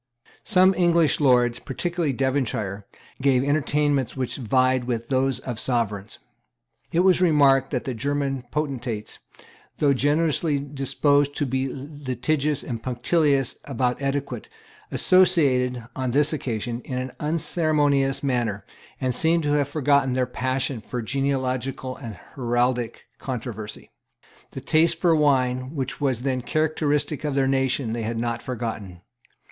Some English lords, particularly Devonshire, gave entertainments which vied with those of Sovereigns. It was remarked that the German potentates, though generally disposed to be litigious and punctilious about etiquette, associated, on this occasion, in an unceremonious manner, and seemed to have forgotten their passion for genealogical and heraldic controversy. The taste for wine, which was then characteristic of their nation, they had not forgotten.